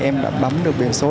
em đã bấm được biển số